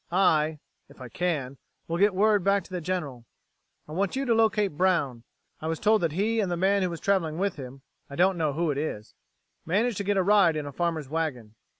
I if I can will get word back to the General. I want you to locate Brown. I was told that he and the man who is traveling with him I don't know who it is managed to get a ride in a farmer's wagon.